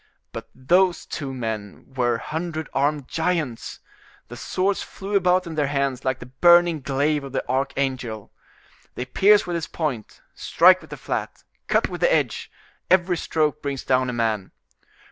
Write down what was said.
But those two men were hundred armed giants; the swords flew about in their hands like the burning glaive of the archangel. They pierce with its point, strike with the flat, cut with the edge; every stroke brings down a man.